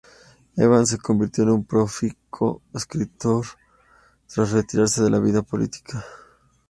Evans se convirtió en un prolífico escritor tras retirarse de la vida política.